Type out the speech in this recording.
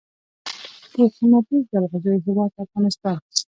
د قیمتي جلغوزیو هیواد افغانستان.